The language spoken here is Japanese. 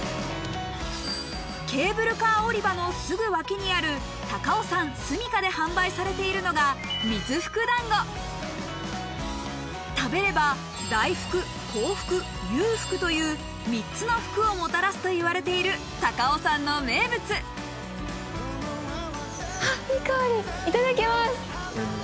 ケーブルカー降り場のすぐ脇にある高尾山スミカで販売されているのが食べればという３つの福をもたらすといわれている高尾山の名物あっいい香りいただきます。